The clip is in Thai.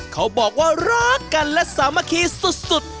เขาบอกว่ารักกันและสามัคคีสุด